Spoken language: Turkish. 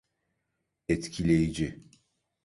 Etkileyici.